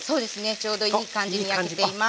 ちょうどいい感じに焼けています。